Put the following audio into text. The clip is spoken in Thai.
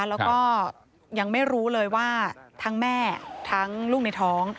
แล้วก็ยังไม่รู้เลยว่าทั้งแม่ทั้งลูกในท้อง